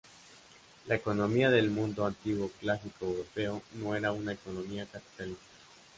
La economía del mundo antiguo clásico europeo no era una economía capitalista.